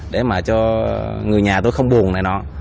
để mà cho người nhà tôi không buồn này nọ